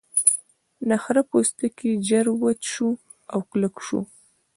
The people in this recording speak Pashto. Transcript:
د خرۀ پوستکی ژر وچ شو او کلک شو.